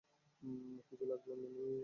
কিছু লাগলে মিমি আছে তো।